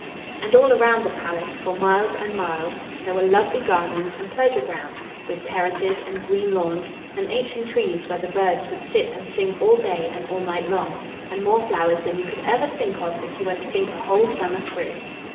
And all round the palace, for miles and miles, there were lovely gardens and pleasure grounds, with terraces and green lawns, and ancient trees where the birds would sit and sing all day and all night long, and more flowers than you could ever think of if you were to think a whole summer through.